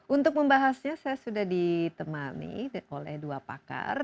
untuk membahasnya saya sudah ditemani oleh dua pakar